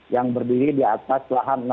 yang berdiri di atas lahan kota china